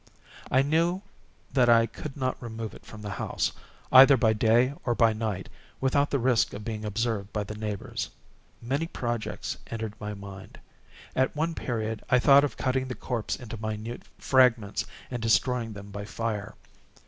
I knew that I could not remove it from the house, either by day or by night, without the risk of being observed by the neighbors. Many projects entered my mind. At one period I thought of cutting the corpse into minute fragments, and destroying them by fire.